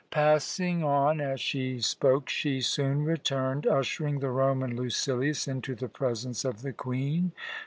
Passing on as she spoke, she soon returned, ushering the Roman Lucilius into the presence of the Queen.